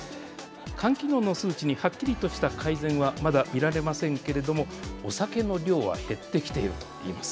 肝機能の数値にはっきりとした改善はまだ見られませんけれども、お酒の量は減ってきているといいます。